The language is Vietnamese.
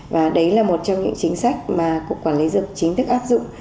và đấy là một trong những chính sách mà cục quản lý rừng chính thức áp dụng